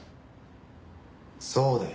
そうだよ。